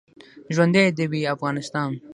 ژوندی دې وي افغانستان.